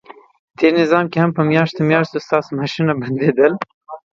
تېر نظام کې هم په میاشتو میاشتو ستاسو معاشونه بندیدل،